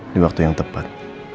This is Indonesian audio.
di waktu yang tepat